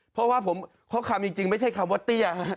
เพราะว่าข้อความจริงไม่ใช่คำว่าเตี้ย